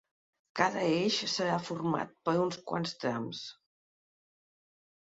Cada eix serà format per uns quants trams.